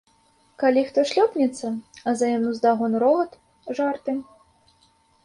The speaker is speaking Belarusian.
Калі хто шлёпнецца, за ім уздагон рогат, жарты.